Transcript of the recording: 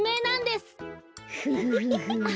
フフフフ。